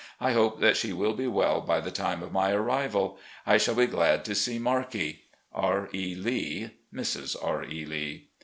I hope that she will be well by the time of my arrival. I shall be glad to see Markde. "R. E. Lee. "Mrs. R. E. Lee."